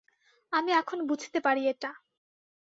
আমি এখন বুঝতে পারি এটা।